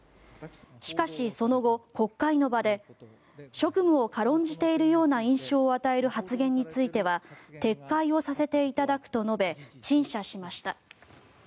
しかし、その後国会の場で職務を軽んじているような印象を与える発言については撤回をさせていただくと述べ陳謝しました。